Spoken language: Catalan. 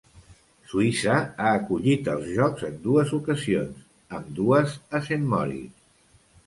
Suïssa ha acollit els Jocs en dues ocasions, ambdues a Saint Moritz.